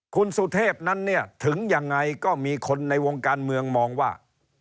คุณสุเทพนั้นเนี่ยถึงยังไงก็มีคนในวงการเมืองมองว่า